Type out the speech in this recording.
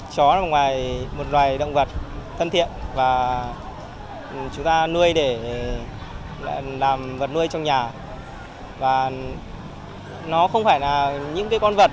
chó là một loài động vật được nuôi trong nhà và nó không phải là những con vật